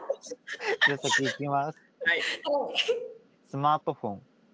スマートフォン。